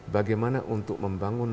bagaimana untuk membangun